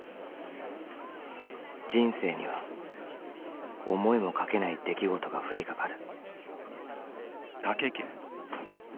［人生には思いもかけない出来事が降りかかる］